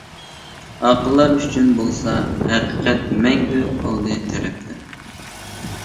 ئاقىللار ئۈچۈن بولسا ھەقىقەت مەڭگۈ ئالدى تەرەپتە.